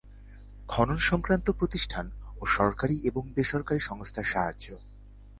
খনন সংক্রান্ত প্রতিষ্ঠান ও সরকারি এবং বেসরকারি সংস্থার সাহায্য